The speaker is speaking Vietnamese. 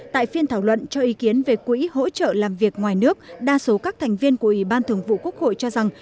tại phiên thảo luận cho ý kiến về quỹ hỗ trợ làm việc ngoài nước đa số các thành viên của ủy ban thường vụ quốc hội cho rằng